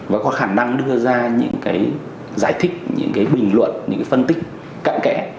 và có khả năng đưa ra những cái giải thích những cái bình luận những cái phân tích cận kẽ